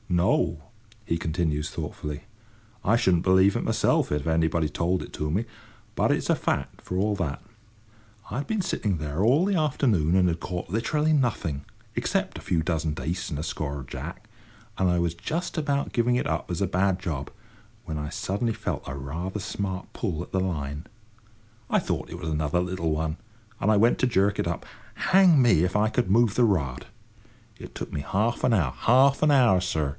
"No," he continues thoughtfully; "I shouldn't believe it myself if anybody told it to me, but it's a fact, for all that. I had been sitting there all the afternoon and had caught literally nothing—except a few dozen dace and a score of jack; and I was just about giving it up as a bad job when I suddenly felt a rather smart pull at the line. I thought it was another little one, and I went to jerk it up. Hang me, if I could move the rod! It took me half an hour—half an hour, sir!